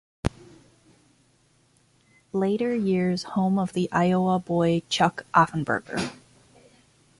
Later years home of the "Iowa Boy" Chuck Offenburger.